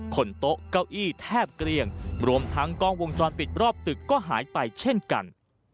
โต๊ะเก้าอี้แทบเกลี้ยงรวมทั้งกล้องวงจรปิดรอบตึกก็หายไปเช่นกัน